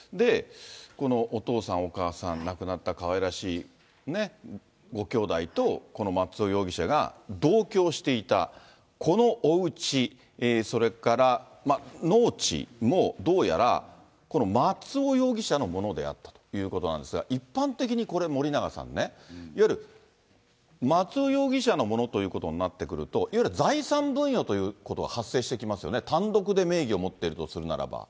このお父さん、お母さん、亡くなったかわいらしいご兄弟と、この松尾容疑者が同居をしていた、このおうち、それから農地も、どうやら、この松尾容疑者のものであったということなんですが、一般的にこれ、森永さんね、いわゆる松尾容疑者のものということになってくると、いわゆる財産分与ということが発生してきますよね、単独で名義を持ってるとするならば。